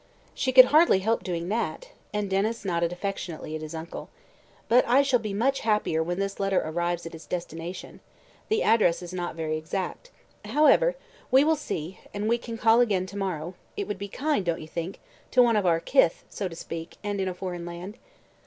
"She could hardly help doing that," and Denys nodded affectionately at his uncle. "But I shall be much happier when this letter arrives at its destination. The address is not very exact. However, we will see, and we can call again to morrow it would be kind, don't you think, to one of our 'kith,' so to speak, and in a foreign land?"